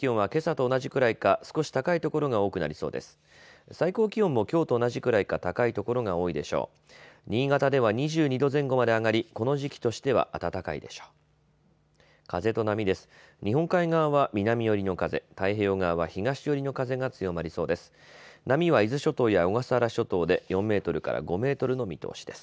日本海側は南寄りの風、太平洋側は東寄りの風が強まりそうです。